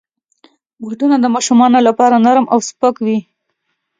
بوټونه د ماشومانو لپاره نرم او سپک وي.